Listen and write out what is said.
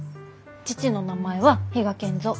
父の名前は比嘉賢三。